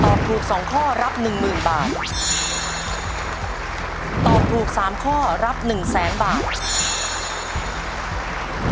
ถูกสองข้อรับหนึ่งหมื่นบาทตอบถูกสามข้อรับหนึ่งแสนบาท